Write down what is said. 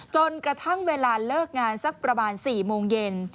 จนกระทั่งเวลาเลิกงานสักประมาณ๔โมงเย็น